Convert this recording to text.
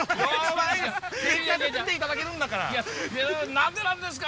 「何でなんですか！」